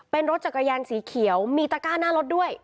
เป็นรถจักรยานสีเขียวมีตะก้าหน้ารถด้วย